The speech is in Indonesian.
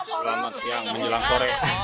selamat siang menjelang sore